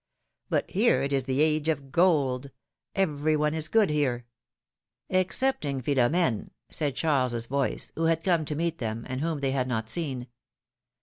But here it is the Age of Gold — every one is good here ! Excepting Philora^ne,^^ said Charles' voice, who had come to meet them, and whom they had not seen.